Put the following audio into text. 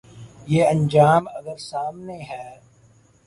یہ انجام اگر سامنے ہے۔